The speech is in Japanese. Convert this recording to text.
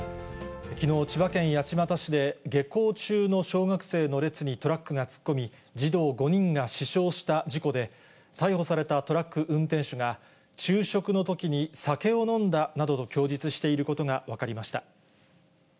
きのう、千葉県八街市で、下校中の小学生の列にトラックが突っ込み、児童５人が死傷した事故で、逮捕されたトラック運転手が、昼食のときに酒を飲んだなどと供述していることが分かりました。